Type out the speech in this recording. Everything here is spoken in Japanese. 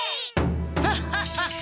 ハハハハッ！